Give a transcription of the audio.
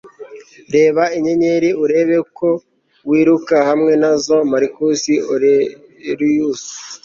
reba inyenyeri, urebe ko wiruka hamwe na zo. - marcus aurelius